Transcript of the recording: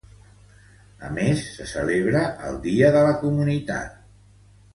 A més, se celebra el Dia de la Comunitat de Madrid.